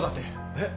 えっ！？